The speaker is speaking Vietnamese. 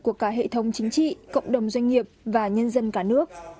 của cả hệ thống chính trị cộng đồng doanh nghiệp và nhân dân cả nước